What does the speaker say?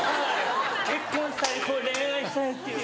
結婚したい恋愛したいっていう。